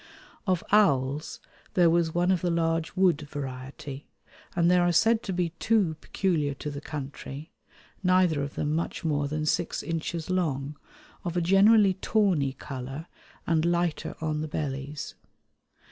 Of owls there was one of the large wood variety, and there are said to be two peculiar to the country, neither of them much more than six inches long, of a generally tawny colour and lighter on the bellies.